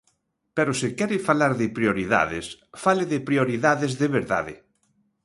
Pero se quere falar de prioridades, fale de prioridades de verdade.